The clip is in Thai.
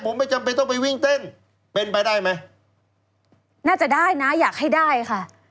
ผมไม่จำเป็นต้องไปวิ่งเต้นเป็นไปได้ไหมน่าจะได้นะอยากให้ได้ค่ะ